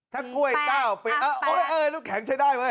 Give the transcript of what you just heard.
ถ้ากล้วย๙ปีเออรู้ครับแข็งใช้ได้